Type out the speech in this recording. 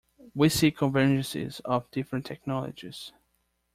We see convergences of different technologies.